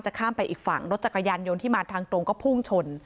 ข้ามไปอีกฝั่งรถจักรยานยนต์ที่มาทางตรงก็พุ่งชน